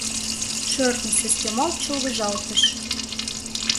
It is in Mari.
Шӧртньӧ сескемалт чолгыжалтыш.